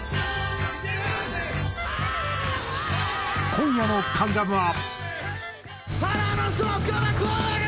今夜の『関ジャム』は。